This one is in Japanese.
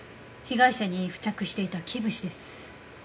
被害者に付着していたキブシです。